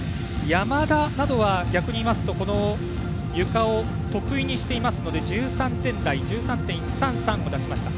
山田なのは、逆にいいますとゆかを得意にしているので１３．１３３を出しました。